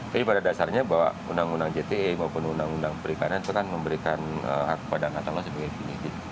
jadi pada dasarnya bahwa undang undang jte maupun undang undang pribadi itu kan memberikan hak kepada anak anak sebagai penyidik